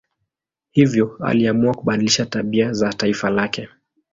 Hivyo aliamua kubadilisha tabia za taifa lake.